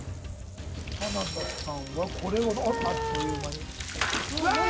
花田さんはこれはあっという間にわあー！